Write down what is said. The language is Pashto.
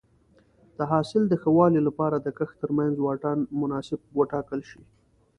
د حاصل د ښه والي لپاره د کښت ترمنځ واټن مناسب وټاکل شي.